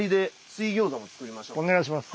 お願いします。